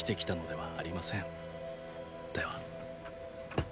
では。